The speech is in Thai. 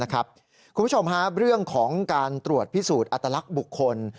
คุณผู้ชมเรื่องของการตรวจพิสูจน์อัตลักษณ์บุคคล